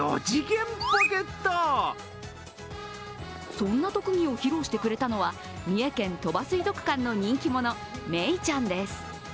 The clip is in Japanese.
そんな特技を披露してくれたのは三重県鳥羽水族館の人気者、メイちゃんです。